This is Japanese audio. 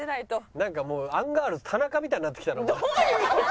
なんかもうアンガールズ田中みたいになってきたなお前。